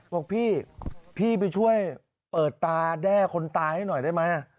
บอกพี่พี่ไปช่วยเปิดตาแด้คนตายให้หน่อยได้ไหม